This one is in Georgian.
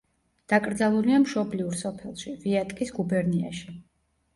დაკრძალულია მშობლიურ სოფელში, ვიატკის გუბერნიაში.